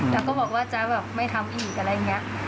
แล้วก็บอกว่าจ๊ะแบบไม่ทำอีกอะไรอย่างนี้